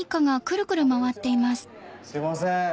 すいません